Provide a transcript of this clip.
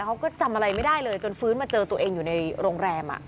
เขาก็จำอะไรไม่ได้เลยจนฟื้นมาเจอตัวเองอยู่ในโรงแรม